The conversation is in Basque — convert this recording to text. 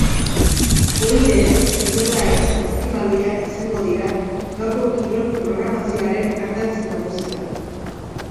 Ohi denez, pilota eta saskibaloia izango dira gaurko kirol programazioaren ardatz nagusiak.